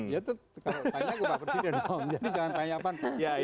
jadi jangan tanya pak